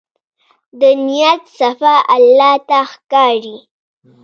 د نیت صفا الله ته ښکاري.